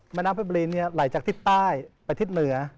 แม่น้ำเพชรบุรีไหลจากทิศใต้ไปทิศเหนือ